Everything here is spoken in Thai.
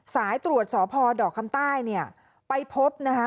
สายตรวจสพดอกคำใต้เนี่ยไปพบนะคะ